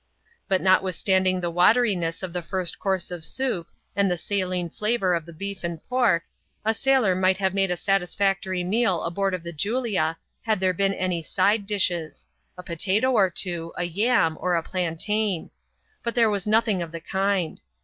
But notwithstanding the wateriness of the first course of soup, and the saline flavour of the beef and pork, a sailor might have made a satisfactory meal aboard of the Julia had there been any side dishes — a potato or two, a yam, or a plantain. But there was nothing of the kind.